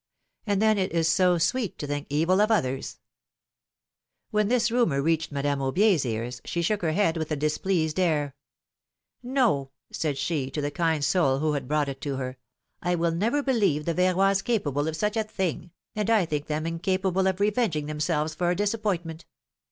And then it is so sweet to think evil of others ! When this rumor reached Madame AubiePs ears, she shook her head with a displeased air. ^^No," said she to the kind soul who had brought it to her, ^'1 will never believe the Verroys capable of such a thing, and I think them incapable of revenging themselves for a disappointment.